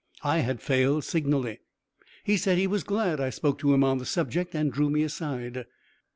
I had failed signally. He said he was glad I spoke to him on the subject, and drew me aside.